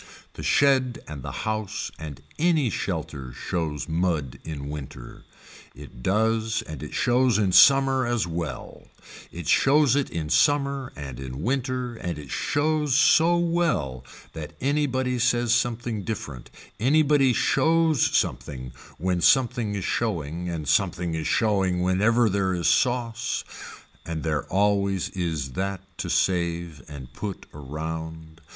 The shed and the house and any shelter shows mud in winter, it does and it shows in summer as well, it shows it in summer and in winter and it shows so well that anybody says something different, anybody shows something when something is showing, and something is showing whenever there is sauce and there always is that to save and put around.